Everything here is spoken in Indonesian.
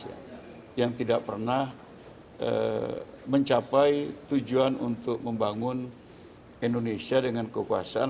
yang tidak pernah mencapai tujuan untuk membangun indonesia dengan kekuasaan